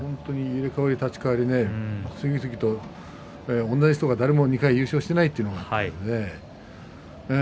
入れ代わり立ち代わり次々と同じ人が誰も２回優勝していないというのはね。